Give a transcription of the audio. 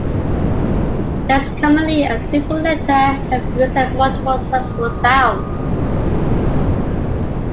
Less commonly, a single letter can represent multiple successive sounds.